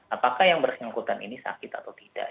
apakah yang bersangkutan ini sakit atau tidak